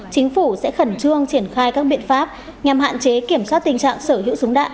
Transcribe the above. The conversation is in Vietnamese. chính phủ sẽ khẩn trương triển khai các biện pháp nhằm hạn chế kiểm soát tình trạng sở hữu súng đạn